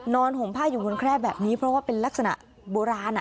ห่มผ้าอยู่บนแคร่แบบนี้เพราะว่าเป็นลักษณะโบราณ